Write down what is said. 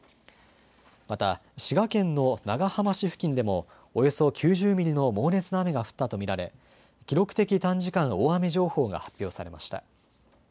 また滋賀県の長浜市付近でもおよそ９０ミリの猛烈な雨が降ったと見られ記録的短時間大雨情報が発表されました。